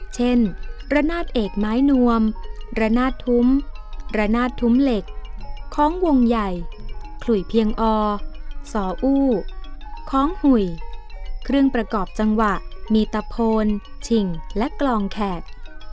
เช่นระนาดเอกไม้นวมระนาดทุ้มระนาดทุ้มเหล็กของวงใหญ่ขลุยเพียงอสออู้ของหุยเครื่องประกอบจังหวะมีตะโพนฉิ่งและกลองแขก